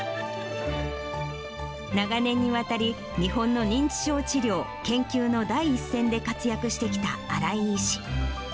長年にわたり、日本の認知症治療研究の第一線で活躍してきた新井医師。